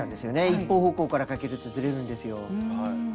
一方方向からかけるとずれるんですよ。